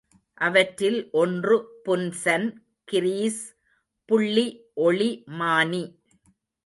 அவற்றில் ஒன்று புன்சன் கிரீஸ் புள்ளிஒளி மானி.